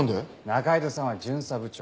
仲井戸さんは巡査部長。